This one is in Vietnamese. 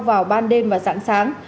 vào ban đêm và sáng sáng